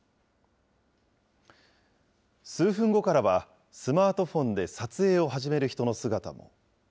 数分後からは、スマートフォンで撮影を始める人の姿も。